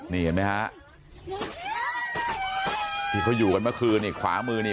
นี่เห็นไหมฮะที่เขาอยู่กันเมื่อคืนนี่ขวามือนี่